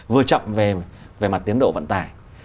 vừa chậm về mặt tiến độ vận tài